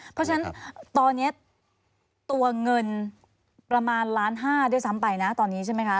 เพราะฉะนั้นตอนนี้ตัวเงินประมาณล้านห้าด้วยซ้ำไปนะตอนนี้ใช่ไหมคะ